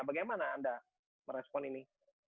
bagaimana anda merespon ini